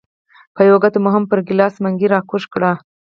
په یوه ګوته به مو هم پر ګیلاس منګی راکوږ کړ.